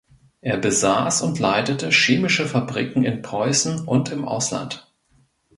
Er besaß und leitete chemische Fabriken in Preußen und im Ausland.